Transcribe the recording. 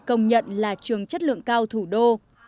công nhận là trường chất lượng cao thủ đô